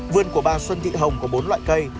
vườn của bà xuân thị hồng có bốn loại cây